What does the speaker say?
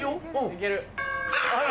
いける。